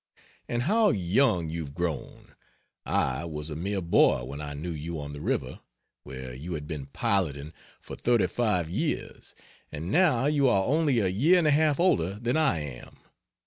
And how young you've grown! I was a mere boy when I knew you on the river, where you had been piloting for 35 years, and now you are only a year and a half older than I am!